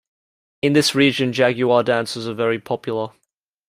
In this region jaguar dances are very popular.